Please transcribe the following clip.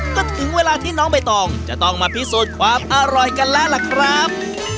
ก็ถึงเวลาที่น้องใบตองจะต้องมาพิสูจน์ความอร่อยกันแล้วล่ะครับ